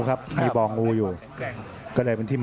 อัศวินาศาสตร์